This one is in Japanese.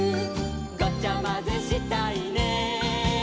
「ごちゃまぜしたいね」